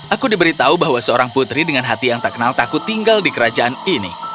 aku diberitahu bahwa seorang putri dengan hati yang tak kenal takut tinggal di kerajaan ini